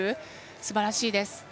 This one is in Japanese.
すばらしいです。